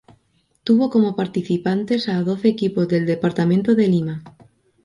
Tuvo como participantes a doce equipos del Departamento de Lima.